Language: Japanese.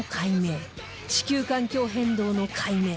地球環境変動の解明